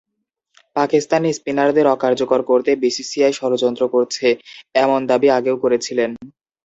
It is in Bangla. পাকিস্তানি স্পিনারদের অকার্যকর করতে বিসিসিআই ষড়যন্ত্র করছে, এমন দাবি আগেও করেছিলেন।